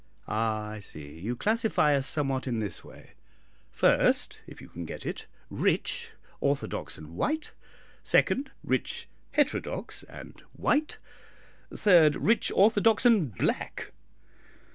"Ah, I see; you classify us somewhat in this way: first, if you can get it, rich, orthodox, and white; second, rich, heterdox, and white; third, rich, orthodox, and black.